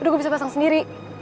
udah gue bisa pasang sendiri